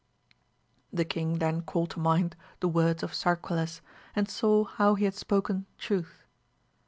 The king then called to mind the words of Sarquiles, and saw how he had spoken truth.